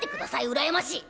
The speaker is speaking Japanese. うらやましい。